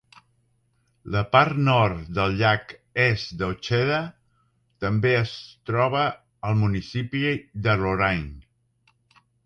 La part nord del Llac Est d'Ocheda també es troba al municipi de Lorain.